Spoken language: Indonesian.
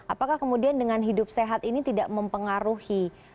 apakah kemudian dengan hidup sehat ini tidak mempengaruhi